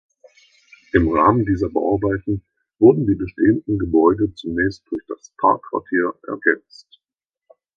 Im Rahmen dieser Bauarbeiten wurden die bestehenden Gebäude zunächst durch das "Park Quartier" ergänzt.